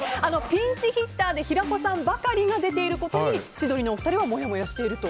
ピンチヒッターで平子さんばかりが出ていることに千鳥のお二人はもやもやしていると。